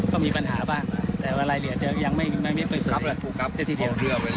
ก็มีปัญหาบ้างแต่ว่ารายละเอียดเท่านั้นยังไม่เป็นประโยชน์อีกทีเดียว